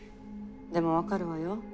でも分かるわよ。